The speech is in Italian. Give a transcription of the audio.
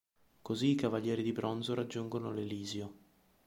Così i cavalieri di bronzo raggiungono l'Elisio.